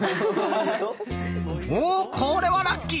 おこれはラッキー！